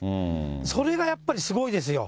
それがやっぱりすごいですよ。